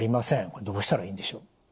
これどうしたらいいんでしょう？